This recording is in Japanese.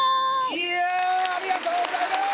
イエーイありがとうございます！